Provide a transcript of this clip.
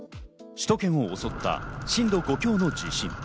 首都圏を襲った震度５強の地震。